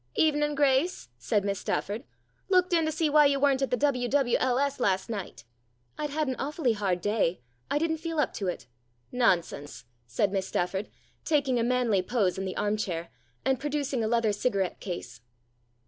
" Evenin', Grace," said Miss Stafford. " Looked in to see why you weren't at the W.W.L.S. last night." " I'd had an awfully hard day. I didn't feel up to it." " Nonsense," said Miss Stafford, taking a manly pose in the arm chair, and producing a leather cigarette case.